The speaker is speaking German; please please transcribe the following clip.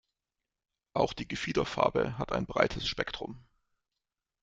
Auch die Gefiederfarbe hat ein breites Spektrum.